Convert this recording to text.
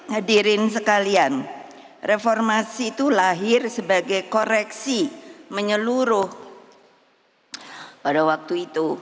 hadirin sekalian reformasi itu lahir sebagai koreksi menyeluruh pada waktu itu